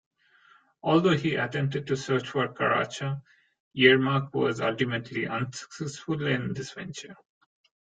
Although he attempted to search for Karacha, Yermak was ultimately unsuccessful in this venture.